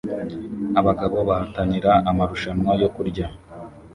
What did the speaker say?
Abagabo bahatanira amarushanwa yo kurya